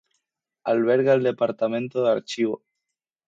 Alberga el Departamento de Archivo.